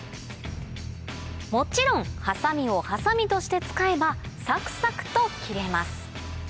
もちろんハサミをハサミとして使えばサクサクと切れます